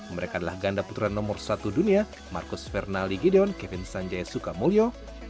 mereka adalah ganda putra nomor satu dunia marcus fernaldi gideon kevin sanjaya sukamulyo